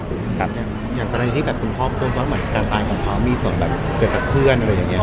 อย่างกรณีที่แบบคุณพ่อพูดว่าเหมือนการตายของเขามีส่วนแบบเกิดจากเพื่อนอะไรอย่างนี้